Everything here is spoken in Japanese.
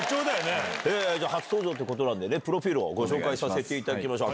初登場ということなんでね、プロフィールをご紹介させていただきましょう。